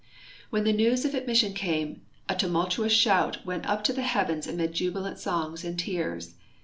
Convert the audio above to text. When the neAvs of admission came, a tumultuous shout Avent up to the heavens amid jubilant songs and tears.